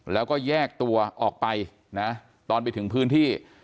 แล้วก็แยกตัวออกไปนะตอนไปถึงพื้นที่